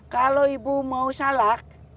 kalau ibu mau salak